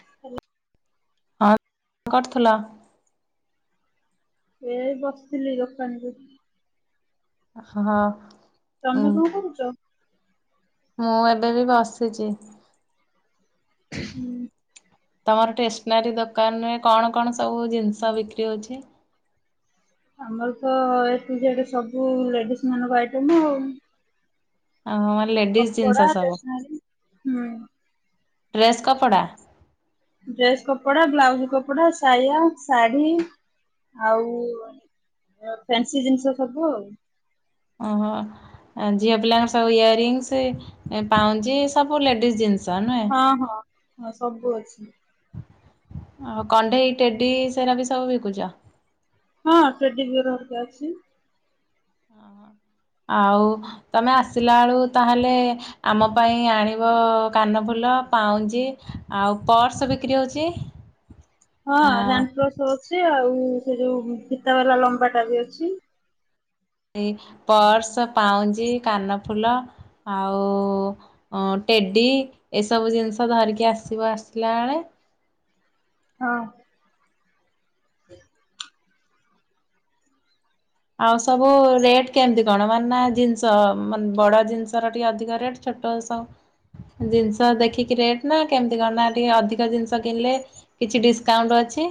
Hello. କରୁଥିଲା। ଏଇ ବସିଥିଲି ଦୋକାନକୁ। ହଁ। ଉଁ ତମେ କଣ କରୁଛ? ମୁଁ ଏବେ ବି ବସିଛି। ହୁଁ, ତମର ଟେସ୍ ନାରୀ ଦୋକାନରେ କଣ କଣ ସବୁ ଜିନିଷ ବିକ୍ରି ହୋଉଛି? ଆମର ତ ଏ ଟୁ ଜେଡ୍ ସବୁ ଲେଡିଜ ମାନଙ୍କ ଆଇଟମ୍ ଆଉ। ଅ ଲେଡିଜ ଜିନିଷ କପଡା ସବୁ ଟେସନାରୀ ହୁଁ। ଡ୍ରେସ୍ କପଡ଼ା? ଡ୍ରେସ୍ କପଡା ବ୍ଲାଉଜ କପଡା ସାୟା ଶାଢୀ ଆଉ ଅ ଫ୍ୟାନ୍ସି ଜିନିଷ ସବୁ ଆଉ। ଓହୋ। ଝିଅ ପିଲାଙ୍କ ସବୁ ଇୟରିଙ୍ଗସ୍ ପାଉଁଞ୍ଜି ସବୁ ଲେଡ଼ିଜ ଜିନିଷ ନୁହେଁ? ହଁ ହଁ ହଁ ସବୁ ଅଛି। ଆଉ କଣ୍ଢେଇ ଟେଡି ସେରା ବି ସବୁ ବିକୁଛ? ହଁ ଟ୍ରେଡିବିଅର ଅଲଗା ଅଛି। ହଁ ହଁ। ଆଉ ତମେ ଆସିଲା ବେଳକୁ ତାହେଲେ ଆମ ପାଇଁ ଆଣିବ କାନଫୁଲ, ପାଉଁଜି ଆଉ ପର୍ସ ବିକ୍ରି ହଉଛି? [inaudible] ହଁ ଆଉ ରାନଫ୍ଲୋର୍ସ ର ଅଛି ଆଉ ସେ ଯୋଉ ଫିତା ବାଲା ଲମ୍ବା ଟା ବି ଅଛି। ଏ ପର୍ସ, ପାଉଁଜି, କାନଫୁଲ ଆଉ ଅ ଟେଡି ଏସବୁ ଜିନିଷ ଧରିକି ଆସିବ ଆସିଲା ବେଳେ। ହଁ। ଆଉ ସବୁ ରେଟ୍ କେମିତି କଣ? ମାନେ ଜିନିଷ ମ ବଡ ଜିନିଷର ଟିକେ ଅଧିକ ରେଟ୍। ଛୋଟ ସ ଜିନିଷ ଦେଖିକି ରେଟ ନା କେମିତି କଣ ନା ଟିକେ ଅଧିକ ଜିନିଷ କିଣିଲେ କିଛି ଡିସକାଉଣ୍ଟ ଅଛି।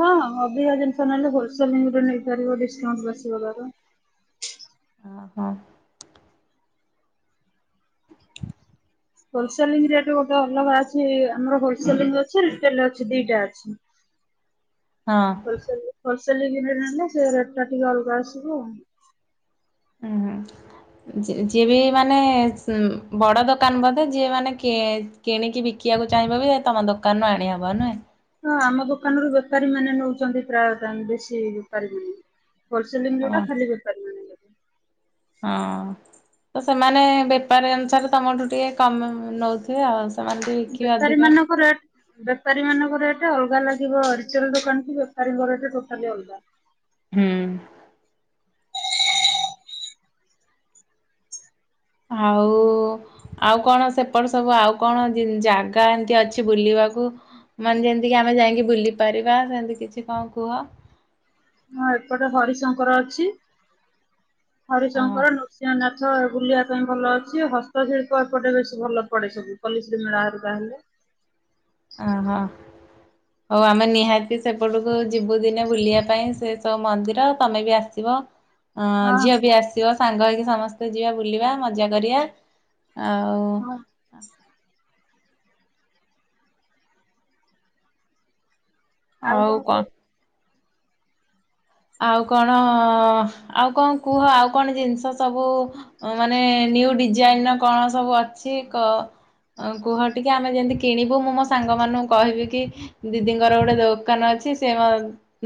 ହଁ ହଁ ଅଧିକା ଜିନିଷ ନେଲେ ହୋଲସେଲ ରେଟ ନେଇପାରିବ ଡିସକାଉଣ୍ଟ [unintelligible] ବାର। ଅ ହଁ। ହୋଲସେଲିଙ୍ଗ ରେଟ ଗୋଟେ ଅଲଗା ଅଛି ଆମର ହୋଲସେଲିଙ୍ଗ ଅଛି ରିଟେଲ ରେ ଅଛି ଦିଟା ଅଛି। ହଁ। ହୋଲସେଲ ରେ ରେଟ ରେ ନେଲେ ସେ ରେଟ୍ ଟା ଟିକେ ଅଲଗା ଆସିବ ଆଉ। ଉୁଁ ହୁ। ଯି ଯିବି ମାନେ ସ ଉଁ ବଡ ଦୋକାନ ବୋଧେ ଯିଏ ମାନେ କିଏ କିଣିକି ବିକିବାକୁ ଚାହିଁବ ବି ତମ ଦୋକାନରୁ ଆଣିହବ ନୁହେଁ? ହଁ ଆମ ଦୋକାନରୁ ବେପାରୀ ମାନେ ନଉଛନ୍ତି ପ୍ରାୟ [unintelligible] ବେଶୀ ବେପାରୀ ମାନେ। ହୋଲସେଲିଂ ଯୋଉଟା ହଁ ଖାଲି [unintelligible] ହଁ ତ ସେମାନେ ବେପାରୀ ଅନୁସାରେ ତମଠୁ ଟିକେ କମ ଅଁ ନଉଥିବେ ଆଉ ଆସ ବେପାରୀ ମାନଙ୍କରେ ବେପାରୀ ମାନଙ୍କରେ ଏଟା ଅଲଗା ଲାଗିବ। ରିଚେଲ ଦୋକାନ କି ବେପାରୀଙ୍କରଠୁ ଟୋଟାଲି ଅଲଗା। ହୁଁ। ଆଉ ଆଉ କଣ ସେପଟେ ସବୁ ଆଉ କଣ ଜ ଜାଗା ଏମତି ଅଛି ବୁଲିବାକୁ? ମାନେ ଯେମିତିକି ଆମେ ଯାଇକି ବୁଲି ପାରିବା ସେମିତି କିଛି କଣ କୁହ? ହଁ ଏପଟେ ହରିଶଙ୍କର ଅଛି। ଓହୋ। ହରିଶଙ୍କର ନୃସ ସିଂହନାଥ ବୁଲିବା ପାଇଁ ଭଲ ଅଛି। ହସ୍ତଶିଳ୍ପ ଏପଟେ ବେଶୀ ଭଲ ପଡେ ସବୁ ପଲ୍ଲୀଶ୍ରୀ ମେଳାରୁ ବାହାରଲେ। ଅ ହ। ଆଉ ଆମେ ନିହାତି ସେପଟକୁ ଯିବୁ ଦିନେ ବୁଲିବା ପାଇଁ ସେ ସବୁ ମନ୍ଦିର ତମେ ବି ଆସିବ। ଅଁ ହଁ ଝିଅ ବି ଆସିବ ସାଙ୍ଗ ହେଇକି ସମସ୍ତେ ଯିବା ବୁଲିବା ମଜା କରିବା ଆଉ। ହଁ। ଆଉ କଣ? ଆଉ କଣ ଆଉ କଣ କୁହ ଆଉ କଣ ଜିନିଷ ସବୁ? ଅ ମାନେ ନ୍ୟୁ ଡିଜାଇନ ର କଣ ସବୁ ଅଛି କ ଆ କୁହ ଟିକେ ଆମେ ଯେମିତି କିଣିବୁ ମୁଁ ମୋ ସାଙ୍ଗମାନଙ୍କୁ କହିବି କି ଦିଦିଙ୍କର ଗୋଟେ ଦୋକାନ ଅଛି। ସେ ମ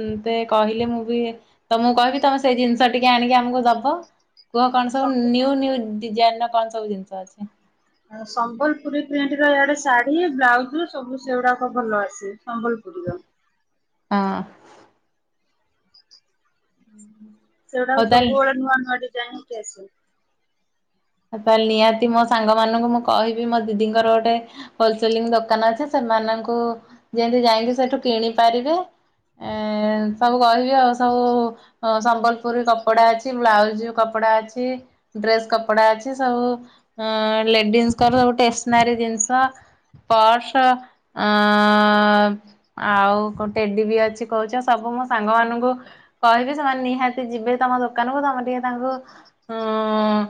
ମତେ କହିଲେ ମୁଁ [unintelligible] ତ ମୁଁ କହିବି ତମେ ସେଇ ଜିନିଷ ଟିକେ ଆଣିକି ଆମକୁ ଦବ। କୁହ କଣ ସବୁ ନ୍ୟୁ ନ୍ୟୁ ଡିଜାଇନ ର କଣ ସବୁ ଜିନିଷ ଅଛି? ଆଉ ସମ୍ବଲପୁରୀ ପ୍ରିଣ୍ଟ ର ଇଆଡେ ଶାଢୀ, ବ୍ଲାଉଜ ସବୁ ସେଗୁଡାକ ଭଲ ଆସେ ସମ୍ବଲ [unintelligible] ହଁ। ହଉ ସେଗୁଡାକ ତାହେଲେ ସବୁବେଳେ ନୂଆ ନୂଆ ଡିଜାଇନ ହେଇକି ଆସେ। ତାହେଲେ ନିହାତି ମୋ ସାଙ୍ଗ ମାନଙ୍କୁ ମୁଁ କହିବି ମୋ ଦିଦିଙ୍କର ଗୋଟେ ହୋଲସେଲିଂ ଦୋକାନ ଅଛି ସେମାନଙ୍କୁ ଯେମତି ଯାଇକି ସେଠୁ କିଣି ପାରିବେ। ଏଣ୍ଡ ସବୁ କହିବି ଆଉ ସବୁ ହଁ ସମ୍ବଲପୁରୀ କପଡା ଅଛି ବ୍ଲାଉଜ କପଡା ଅଛି ଡ୍ରେସ୍ କପ କପଡା ଅଛି ସବୁ ଉଁ ଲେଡିସଙ୍କର ଗୋଟେ ଟେସନାରୀ ଜିନିଷ। ପଅର୍ଶ ଆ ଆଉ ଟେଡି ବି ଅଛି କହୁଛ ସବୁ ମୋ ସାଙ୍ଗ ମାନଙ୍କୁ କହିବି ସେମାନେ ନିହାତି ଯିବେ ତମ ଦୋକାନକୁ ତମେ ଟିକେ ତାଙ୍କୁ ଉଁ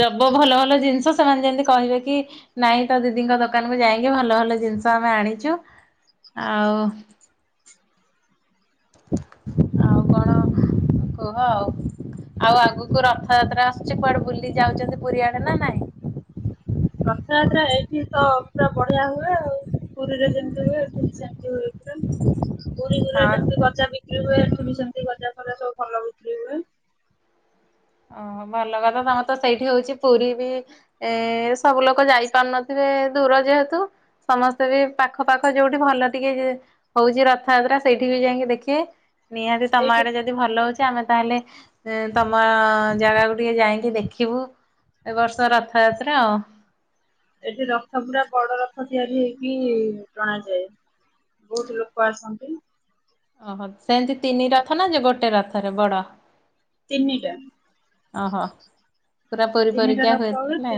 ଦବ ଭଲ ଭଲ ଜିନିଷ ସେମାନେ ଯେମିତି କହିବେ କି ନାଇଁ ତ ଦିଦିଙ୍କ ଦୋକାନକୁୁ ଯାଇକି ଭଲ ଭଲ ଜିନିଷ ଆମେ ଆଣିଛୁ ଆଉ ଆଉ କଣ କୁହ ଆଉ ଆଉ ଆଗକୁ ରଥଯାତ୍ରା ଆସୁଛି କୁଆଡେ ବୁଲି ଯାଉଛନ୍ତି ପୁରୀଆଡେ ନା ନାଇଁ? ରଥଯାତ୍ରା ଏଇଠି ତ ପୁରା ବଢିଆ ହୁଏ ଆଉ ପୁରୀରେ ଯେମିତି ହୁଏ ଏଠି ବି ସେମିତି ହୁଏ। ପୁରୀ ପୁରୀରେ ହଁ। ଯେମିତି ଗଜା ବିକ୍ରି ହୁଏ ଏଠି ବି ସେମିତି ଗଜା ଫଜା ସବୁ ଭଲ ବିକ୍ରି ହୁଏ। ଓହୋ ଭଲ କଥା ତମର ତ ସେଇଠି ହଉଛି ପୁରୀ ବି ଏ ସବୁ ଲୋକ ଯାଇପାରୁନଥିବେ ଦୂର ଯେହେତୁ। ସମସ୍ତେ ବି ପାଖ ପାଖ ଯୋଉଠି ଭଲ ଟିକିଏ ହଉଛି ରଥଯାତ୍ରା ସେଇଠି ବି ଯାଇକି ଦେଖିବେ ନିହାତି ତମ ଏଇଠି ଆଡେ ଯଦି ଭଲ ହଉଛି ଆମେ ତାହେଲେ ତମ ଜାଗାକୁ ଟିକେ ଯାଇକି ଦେଖିବୁ ଏ ବର୍ଷ ରଥଯାତ୍ରା ଆଉ। ଏଠି ରଥ ପୁରୁରା ବଡ ରଥ ତିଆରି ହେଇକି ଟଣାଯାଏ। ବହୁତ ଲୋକ ଆସନ୍ତି। ଓହୋ ସେମିତି ତିନି ରଥ ନା ଯେ ଗୋଟେ ରଥରେ ବଡ ତିନିଟା। ଓହୋ ପୁରା ପ ତିନିଟା ପରରିକା ରଥ ହୁଏ ତାନେ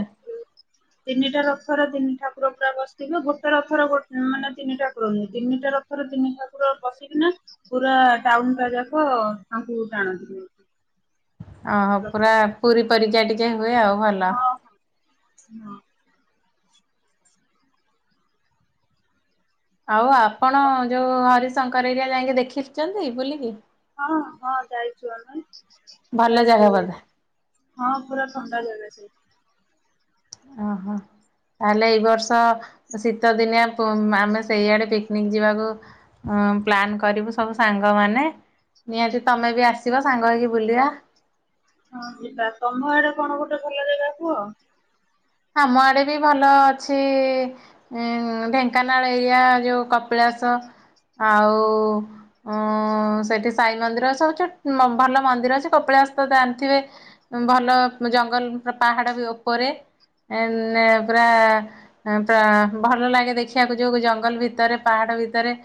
ତିନିଟା ରଥର ତିନି ଠାକୁର ପୁରା ବସିଥିବେ ଗୋଟେ ରଥରେ ମାନେ ତିନି ଠାକୁର ନୁହେ ତିନିଟା ରଥ ଥର ଦିନି ଠାକୁର ପସିକିନା ପୁରା ଟାଉନ ଟା ଯାକ ତାଙ୍କୁ ଟାଣନ୍ତିଥିଲୁ। ଓହୋ ପୁରା ପୁରୀ ପରୀକା ଟିକେ ହୁଏ ଆଉ ଭଲ। ହଁ ହଁ। ଆଉ ଆପଣ ଯୋଉ ହରିଶଙ୍କର ଏରିଆ ଯାଇକି ଦେଖିଛନ୍ତି ବୁଲିକି ହଁ ହଁ ଯାଇଛୁ ଆମେ ଭଲ ଜାଗା ଯାଇଛୁ ଯାଇ ବୋଧେ ହଁ ପୁରା ଥଣ୍ଡା ଜାଗା ସେଇଠି। ଓ ହୋ। ତାହେଲେ ଏଇ ବର୍ଷ ଶୀତ ଦିନିଆ ପ ଆମେ ସେଇଆଡେ ପିକନିକ ଯିବାକୁ ହ ପ୍ଲାନ୍ କରିବୁ ସବୁ ସାଙ୍ଗମାନେ ନିହାତି ତମେ ବି ଆସିବ ସାଙ୍ଗ ହେଇକି ବୁଲିବା। ହଁ ଯିବା ତମ ଆଡେ କଣ ଗୋଟେ ଭଲ ଜାଗା କୁହ? ଆମ ଆଡେ ବି ଭଲ ଅଛି ଉଁ ଢେଙ୍କାନାଳ ଏରିଆ ଯୋଉ କପିଳାସ ଆଉ ଉଁ ସେଠି ସାଇ ମନ୍ଦିର ସ ହଉଛି ଭଲ ମନ୍ଦିର ଅଛି କପିଳାସ ତ ଜାଣିଥିବେ ଭଲ ଜଙ୍ଗଲ ପାହାଡ଼ ବି ଉପରେ ଏଇନେ ପୁରା ପୁରା ଭଲ ଲାଗେ ଦେଖିବାକୁ ଯୋଉ ଜଙ୍ଗଲ ଭିତରେ ପାହାଡ ଭିତରେ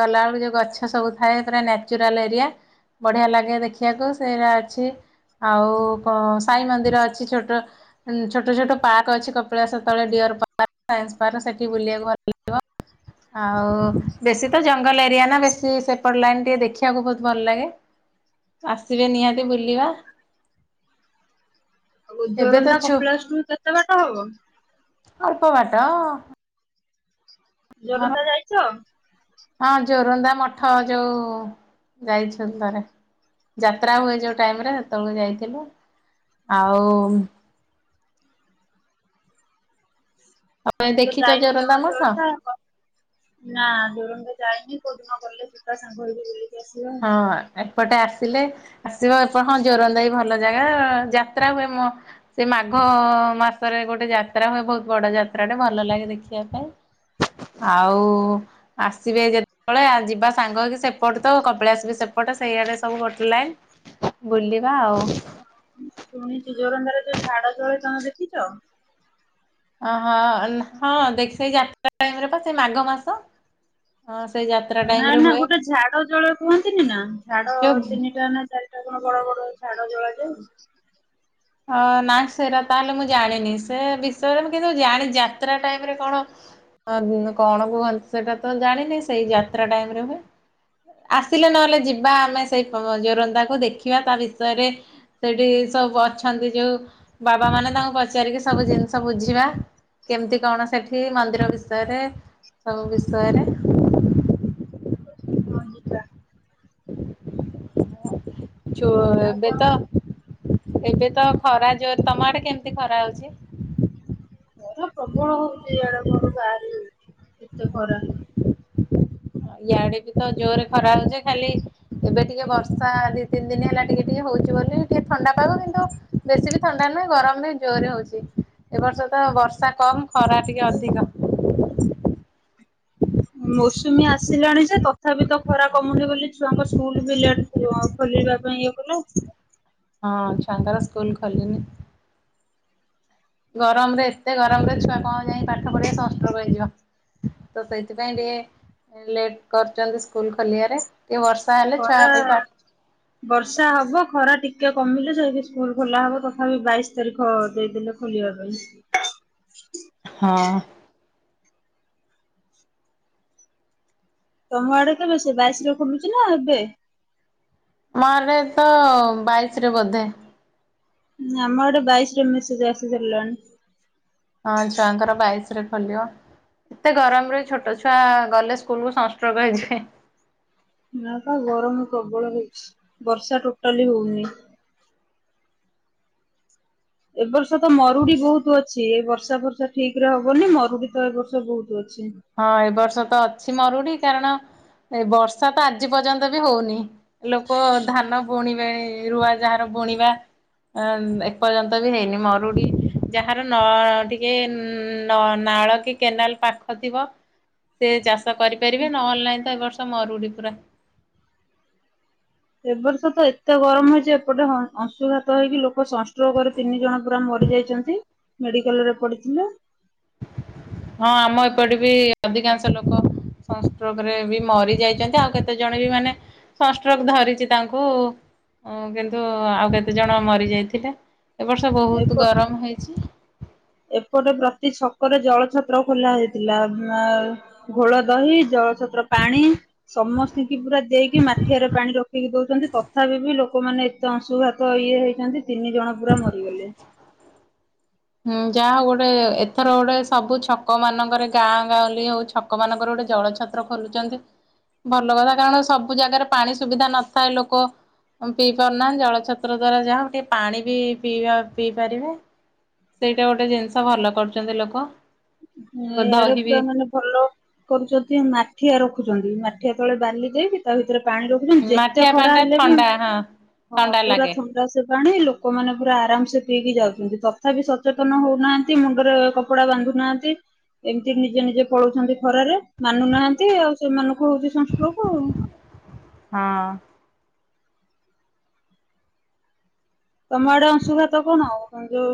ଗଲାବେେଳକୁ ଯୋଉ ଗଛ ସବୁ ଥାଏ ପୁରା ନ୍ୟାଚୁରାଲ ଏରିଆ ବଢିଆ ଲାଗେ ଦେଖିବାକୁ ସେଇରା ଅଛି। ଆଉ ପ ସାଇ ମନ୍ଦିର ଅଛି ଛୋଟ ଛୋଟ ଛୋଟ। ପାର୍କ ଅଛି କପିଳାସ ତଳେ ଡିୟର ପାର୍କ ସାଇନ୍ସ ପାର୍କ ସେଠି ବୁଲିବାକୁ ଭଲଲାଗିବ। ଆଉ ବେଶୀ ତ ଜଙ୍ଗଲ ଏରିଆ ନା ବେଶୀ ସେପଟ ଲାଇନ ଟିକିଏ ଦେଖିବାକୁ ବହୁତ ଭଲ ଲାଗେ। ଆସିବେ ନିହାତି ବୁଲିବା। ଆଉ ଏବେ ତ ଜୋରନ୍ଧା ଛୁ କପିଳାସୁ ଠୁ କେତେ ବାଟ ହବ? ଅଳପ ବାଟ ଜୋରଦ୍ଦା ଯାଇଛ? ହଁ ଜୋରନ୍ଦା ମଠ ଯୋଉ ଯାଇଛନ୍ତି ଥରେ ଯାତ୍ରା ହୁଏ ଯୋଉ ଟାଇମରେ ସେତେବେଳେ ଯାଇଥିଲୁ ଆଉ ତମେ ମୁ ତ ଦେଖିଛ ଯାଇନି ଜୋରନ୍ଦା ଜମା ମଠ? ଯୋରନ୍ଦା ଆଉ କ ନା ଯୋରନ୍ଦା ଯାଇନି କୋଉଦିନ ଗଲେ ଯିବା ସାଙ୍ଗ ହେଇକି ବୁଲି। ହଁ ଆ। ଏପଟେ ଆସିଲେ ଆସିବ ଏ ହଁ ଜୋରନ୍ଦା ବି ଭଲ ଜାଗା ଯାତ୍ରା ହୁଏ ମ ଏ ମାଘ ମାସରେ ଗୋଟେ ଯାତ୍ରା ହୁଏ ବହୁତ ବଡ ଯାତ୍ରାଟେ ଭଲ ଲାଗେ ଦେଖିଆ ପାଇଁ। ଆଉ ଆସିବେ ଯେତେବେଳେ ଯିବା ସାଙ୍ଗ ହେଇକି ସେପଟେ ତ କ ପଳେଇ ଆସିବେ ସେପଟେ ସେଇଆଡ଼େ ସବୁ ଗୋଟେ ଲାଇନ୍ ବୁଲିବା ଆଉ। ହଁ ମୁଁ ଶୁଣିଚି ଜୋରନ୍ଧାରେ ଯୋଉ ଝାଡ ଜଳେ ତମେ ଦେଖିଚ? ଓହୋ ହଁ ନା ଦେଖେ ସେଇ ଯାତ୍ରା ଟାଇମରେପା ସେଇ ମାଘ ମାସ। ହଁ ସେଇ ଯା ନା ନା ଗୋଟେ ଝାଡ ଜଳେ କୁହନ୍ତିନି ନା ଝାଡ ଯୋଉ ତିନିଟା ନା ଚାରି ଟା କଣ ବଡ ବଡ ଝାଡ ଜଳାଯାଏ। ହଁ ନା ସେରା ତାହେଲେ ମୁଁ ଜାଣିନି ସେ ବିଷୟରେ ମୁଁ କିନ୍ତୁ ଜାଣିଚି ଯାତ୍ରା ଟାଇମରେ କଣ ହଁ କଣ କୁହନ୍ତି ସେଟା ତ ଜାଣିନି ସେଇ ଯାତ୍ରା ଟାଇମ ରେ ହୁଏ। ଆସିଲେ ନହେଲେ ଯିବା ଆମେ ସେଇ ଆ ଜୋରନ୍ଦାକୁ ଦେଖିବା ତା ବିଷୟରେ ସେଠି ସବୁ ଅଛନ୍ତି ଯୋଉ ବାବା ମାନେ ତାଙ୍କୁ ପଚାରିକି ସବୁ ଜିନିଷ ବୁଝିବା। କେମିତି କଣ ସେଠି ମନ୍ଦିର ବିଷୟରେ ସବୁ ବିଷୟରେ। ହଁ ଯିବା। ଜୋ ଆଉ ଏବେ କଣ ତ କୁହ? ଏବେ ତ ଖରା ଯୋର ତମଆଡେ କେମିତି ଖରା ହଉଚି? ଖରା ପ୍ରବଳ ହଉଛି ଇଆଡେ ଘରୁ ବାହାରି ହଉନି ଏତେ ଖରା। ଇଆଡେ ବି ତ ଜୋରେ ଖରା ହଉଚି ଯେ ଖାଲି ଏବେ ଟିକେ ବର୍ଷା ଦି ତିନି ଦିନି ହେଲା ଟିକେ ଟିକେ ହଉଛି ବୋଲି ଟିକେ ଥଣ୍ଡା ପାଗ କିନ୍ତୁ ବେଶୀ ବି ଥଣ୍ଡା ନୁହେଁ ଗରମ ନୁହେଁ ଜୋରେ ହଉଛି ଏ ବର୍ଷ ତ ବର୍ଷା କମ। ଖରା ଟିକେ ଅଧିକ। ମୌସୁମୀ ଆସିଲାଣି ଯେ ତଥାପି ତ ଖରା କମୁନି ବୋଲି ଛୁଆଙ୍କ ସ୍କୁଲ ବି ଲେଟ ଖୋଲିବା ପାଇଁ ଇଏ କଲା ହଁ ଛୁଆଙ୍କର ସ୍କୁଲ ଖୋଲିନି। ଗରମ ରେ ଏତେ ଗରମ ରେ ଛୁଆ କଣ ଯାଇକି ପାଠ ପଢିବେ ସଂଷ୍ଟ୍ରୋକ ହେଇଯିବ। ତ ସେଇଥିପାଇଁ ଟିକେ ଲେଟ କରୁଚନ୍ତି ସ୍କୁଲ ଖୋଲିଆରେ ଟିକେ ବର୍ ଖରା ବର୍ଷା ହବ ଖରା ଟିକେ କମିଲେ ଯାଇକି ସ୍କୁଲ ଖୋଲା ହବ ତଥାପି ବାଇଶ ତାରିଖ ଦେଇଦେଲେ। ଖୋଲିବା ପାଇଁ। ହଁ। ତମ ଆଡେ କେବେ ସେ ବାଇଶରେ ଖୋଲୁଛି ନା ଏବେ? ଆମ ଆରେ ତ ବାଇସି ରେ ବୋଧେ। ଆମ ଆଡେ ବାଇଶରେ ମେସେଜ ଆସି ସାରିଲାଣି। ହଁ ଛୁଆଙ୍କର ବାଇସି ରେ ଖୋଲିବ। ଏତେ ଗରମରେ ଛୋଟ ଛୁଆ ଗଲେ ସ୍କୁଲ କୁ ସଂଷ୍ଟୋର୍କ ହେଇଯିବେ ହେ। ନା ପା ଗରମ ପ୍ରବଳ ହେଇଛି ବର୍ଷା ଟୋଟାଲି ହଉନି। ଏ ବର୍ଷ ତ ମରୁଡି ବହୁତ ଅଛି ଏ ବର୍ଷା ଫର୍ଷା ଠିକ ରେ ହବନି ମରୁଡି ତ ଏ ବର୍ଷ ବହୁତ ଅଛି। ହଁ ଏ ବର୍ଷ ତ ଅଛି ମରୁଡି କାରଣ ଏ ବର୍ଷା ତ ଆଜି ପର୍ଯ୍ୟନ୍ତ ବି ହଉନି। ଲୋକ ଧାନ ବୁଣିବେ ରୁଆ ଯାହାର ବୁଣିବା ଅ ଏପର୍ଯ୍ୟନ୍ତ ବି ହେଇନି ମରୁଡ଼ି ଯାହାର ନ ଟିକେ ନ ନାଳ କି କେନାଲ ପାଖ ଥିବ ସେ ଚାଷ କରିପାରିବେ ନହେଲେ ନାଇଁ ତ ଏ ବର୍ଷ ମରୁଡି ପୁରା। ଏବ ବର୍ଷ ତ ଏତେ ଗରମ ହେଇଛି ଏପଟେ ହଁ। ଅଂଶୁଘାତ ହେଇକି ଲୋକ ସଂଷ୍ଟ୍ରୋକ ରେ ତିନି ଜଣ ପୁରା ମରି ଯାଇଛନ୍ତି ମେଡିକାଲ ରେ ପଡିଥିଲେ। [inaudible] ହଁ ଆମ ଏପଟେ ବି ଅଧିକାଂଶ ଲୋକ ସଂଷ୍ଟ୍ରୋକ ରେ ବି ମରି ଯାଇଚନ୍ତି ଆଉ କେତେ ତେଜଣେବି ମାନେ ସଂଷ୍ଟ୍ରୋକ ଧରିଛି ତାଙ୍କୁ। କିନ୍ତୁ ଆଉ କେତେ ଜଣ ମରି ଯାଇଥିଲେ ଏ ବର୍ଷ ବହୁତ ଏପ ଗରମ ହେଇଛି। ଏପଟେ ପ୍ରତି ଛକରେ ଜଳ ଛତ୍ର ଖୋଲା ହେଇଥିଲା। ଆମ୍ ଘୋଳ ଦହି, ଜଳଛତ୍ର ପାଣି। ସମସ୍ତିଙ୍କି ପୁରା ଦେଇକି ମାଠିଆରେ ପାଣି ରଖିକି ଦଉଛନ୍ତି। ତଥାପି ବି ଲୋକମାନେ ତ ଅଂଶୁଘାତ ଇଏ ହେଇଛନ୍ତି ତିନି ଜଣ ପୁରା ମରିଗଲେ। ହୁଁ ଯାହା ହଉ ଗୋଟେ ଏଥର ଗୋଟେ ସବୁ ଛକ ମାନଙ୍କରେ ଗାଁ ଗାଁଲି ହଉଛି ଛକମାନଙ୍କରେ ଗୋଟେ ଜଳ ଛତ୍ର ଖୋଲୁଛନ୍ତି। ଭଲ କଥା କାରଣ ସବୁ ଜାଗାରେ ପାଣି ସୁବିଧା ନଥାଏ। ଲୋକ ପିଇ ପାରୁନାହାନ୍ତି ଜଳ ଛତ୍ର ଦ୍ଵାରା ଯାହା ହଉ ଟିକେ, ପାଣି ବି ପିଇବା ପିଇ ପାରିବେ। ସେଇଟା ଗୋଟେ ଜିନିଷ ଭଲ କରୁଛନ୍ତି ଲୋକ। ହଁ ଇଆଡେ ଦହି ବି ପୁରା ମାନେ ଭଲ କରୁଛନ୍ତି ମାଠିଆ ରଖୁଛନ୍ତି। ମାଠିଆ ତଳେ ବାଲି ଦେଇକି ତା ଭିତରେ ପାଣି ରଖୁ ଯେତେ ମାଠିଆ ଖରା ପାଣିରେ ହେଲେ, ବି ଥଣ୍ଡା ହଁ ହଁ ଥଣ୍ଡା ପୁରା ଲାଗେ। ଥଣ୍ଡା ସେ ପାଣି ଲୋକମାନେ ପୁରା ଆରାମ ସେ ପିଇକି ଯାଉଛନ୍ତି ତଥାପି ସଚେତନ ହଉନାହାନ୍ତି ମୁଣ୍ଡରେ କ କପଡା ବାନ୍ଧୁନାହାନ୍ତି। ଏମିତି ନିଜେ ନିଜେ ପଳଉଛନ୍ତି ଖରାରେ ମାନୁନାହାନ୍ତି ଆଉ ସେମାନଙ୍କୁ ହଉଛି ସଷ୍ଟ୍ରୋକ ଆଉ। ହଁ। ତମ ଆଡେ ଅଂଶୁଘାତ କଣ? ଆଉ ଯୋଉ